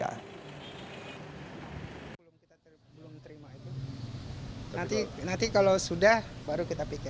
nanti kalau sudah baru kita pikir